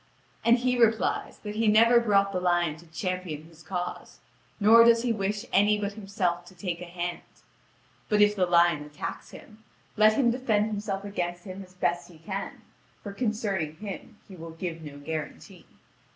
And he replies that he never brought the lion to champion his cause, nor does he wish any but himself to take a hand: but if the lion attacks him, let him defend himself against him as best he can, for concerning him he will give no guarantee.